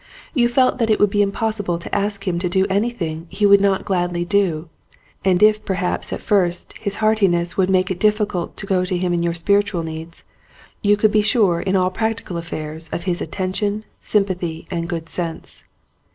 You felt that it would be impossible to ask him to do anything he would not gladly do, and if perhaps at first his heartiness would make it difficult to go to him in your spiritual needs you could be sure in all practical affairs of his attention, sym pathy, and good sense.